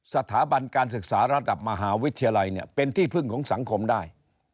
สถาบันการศึกษาระดับมหาวิทยาลัยเนี่ยเป็นที่พึ่งของสังคมได้